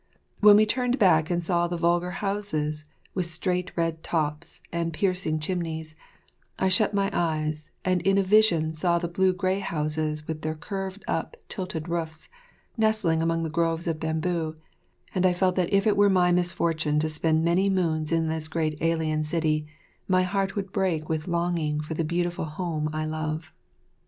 When we turned back and saw the vulgar houses, with straight red tops and piercing chimneys, I shut my eyes and in a vision saw the blue grey houses with their curved up, tilted roofs nestling among the groves of bamboo, and I felt that if it were my misfortune to spend many moons in this great alien city, my heart would break with longing for the beautiful home I love.